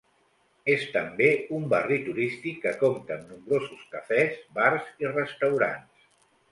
És també un barri turístic que compta amb nombrosos cafès, bars i restaurants.